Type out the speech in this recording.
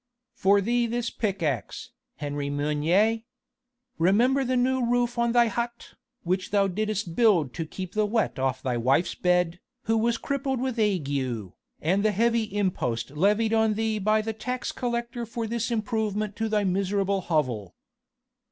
"For thee this pick axe, Henri Meunier! Remember the new roof on thy hut, which thou didst build to keep the wet off thy wife's bed, who was crippled with ague and the heavy impost levied on thee by the tax collector for this improvement to thy miserable hovel.